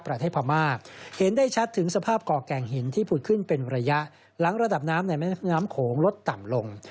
พม่าเห็นได้ชัดถึงสภาพก่อแก่งหินที่ผุดขึ้นเป็นระยะหลังระดับน้ำในแม่น้ำโขงลดต่ำลง